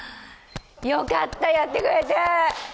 よかった、やってくれて。